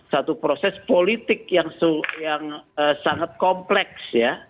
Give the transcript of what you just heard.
satu proses politik yang sangat kompleks ya